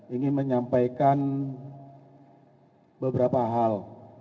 ingin menyampaikan beberapa hal